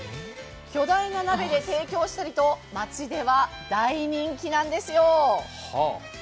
巨大な鍋で提供したりと、町では大人気なんですよ。